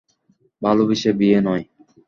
ভালোবেসে বিয়ে নয়।